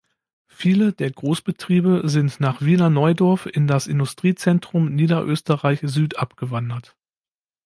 Viele der Großbetriebe sind nach Wiener Neudorf in das Industriezentrum Niederösterreich Süd abgewandert.